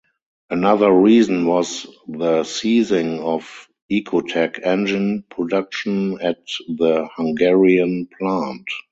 Another reason was the ceasing of Ecotec engine production at the Hungarian plant.